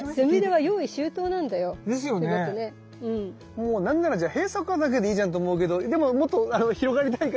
もう何なら閉鎖花だけでいいじゃんって思うけどでももっと広がりたいから。